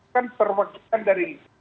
kan perwakilan dari